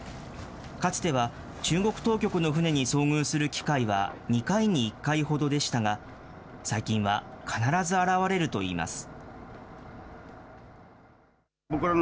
かつては中国当局の船に遭遇する機会は２回に１回ほどでしたが、最近は必ず現れるといいます。